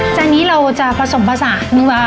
เจ้านี้เราจะผสมภาษณ์นึกว่า